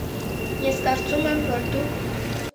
- Ես կարծում եմ, որ դուք.